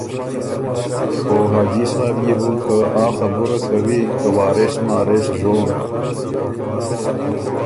او حاجی صاحب يې بو که آ خبُره کوی که وارث مارث ژون